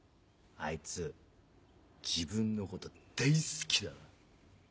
あいつ自分のこと大好きだから。